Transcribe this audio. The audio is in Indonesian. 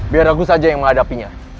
biar ragu saja yang menghadapinya